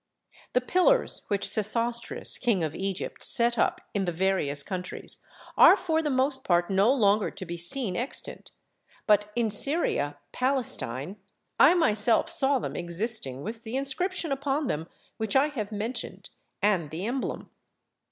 The pillars which Sesostris king of Egypt set up in the various countries are for the most part no longer to be seen extant; but in Syria Palestine I myself saw them existing with the inscription upon them which I have mentioned and the emblem.